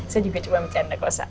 saya juga coba mencanda kok sa